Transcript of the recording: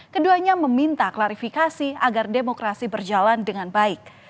keduanya meminta klarifikasi agar demokrasi berjalan dengan baik